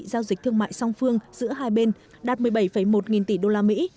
giao dịch thương mại song phương giữa hai bên đạt một mươi bảy một nghìn tỷ đô la mỹ